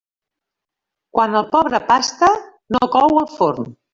Quan el pobre pasta, no cou el forn.